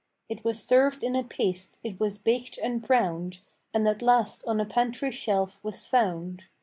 It was served in a paste, it was baked and browned, And at last on a pantry shelf was found.